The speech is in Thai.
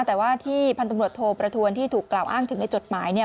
แต่ว่าที่พันธุ์ตำรวจโทประทวนที่ถูกกล่าวอ้างถึงในจดหมายเนี่ย